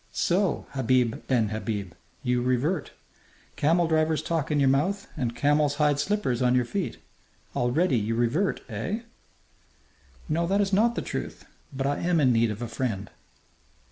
"So, Habib ben Habib, you revert! Camel driver's talk in your mouth and camel's hide slippers on your feet. Already you revert! Eh?" "No, that is not the truth. But I am in need of a friend."